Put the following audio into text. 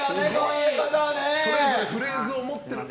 それぞれフレーズを持ってるな。